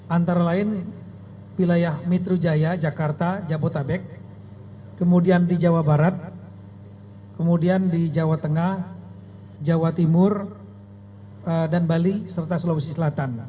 antara lain wilayah metro jaya jakarta jabotabek kemudian di jawa barat kemudian di jawa tengah jawa timur dan bali serta sulawesi selatan